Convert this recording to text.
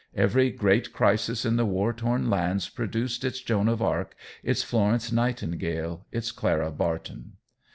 Every great crisis in the war torn lands produced its Joan of Arc, its Florence Nightingale, its Clara Barton.